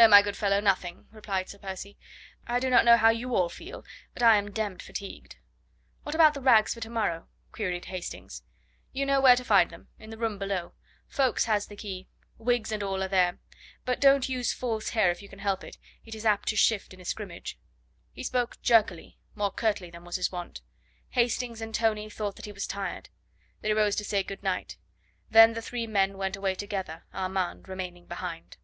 "No, my good fellow, nothing," replied Sir Percy. "I do not know how you all feel, but I am demmed fatigued." "What about the rags for to morrow?" queried Hastings. "You know where to find them. In the room below. Ffoulkes has the key. Wigs and all are there. But don't use false hair if you can help it it is apt to shift in a scrimmage." He spoke jerkily, more curtly than was his wont. Hastings and Tony thought that he was tired. They rose to say good night. Then the three men went away together, Armand remaining behind.